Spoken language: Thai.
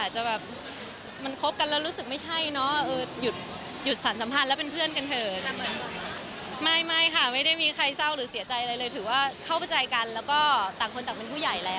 ต่างคนต่างเป็นผู้ใหญ่แล้วนะครับ